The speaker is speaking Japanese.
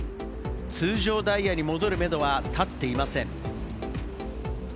通常ダイヤに戻るめどは立っていません。